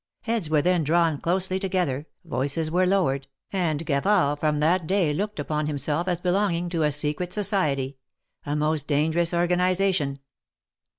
Heads were then drawn closely together, voices were lowered, and Gavard from that day looked upon himself as belonging to a secret society — a most dangerous organi zation.